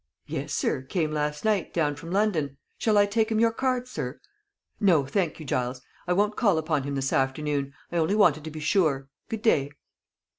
"Yes, sir; came last night, down from London. Shall I take him your card, sir?" "No, thank you, Giles; I won't call upon him this afternoon, I only wanted to be sure. Good day."